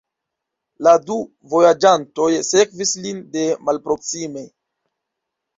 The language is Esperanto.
La du vojaĝantoj sekvis lin de malproksime.